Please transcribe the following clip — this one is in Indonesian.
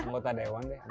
anggota dewan deh